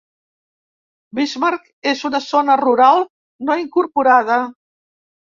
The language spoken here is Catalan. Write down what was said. Bismarck és una zona rural no incorporada.